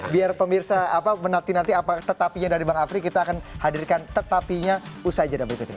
biar pemirsa menanti nanti tetapinya dari bang afri kita akan hadirkan tetapinya usai jeda berikutnya